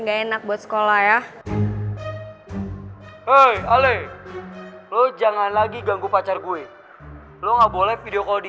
nggak enak buat sekolah ya hai oleh lo jangan lagi ganggu pacar gue lo nggak boleh video kode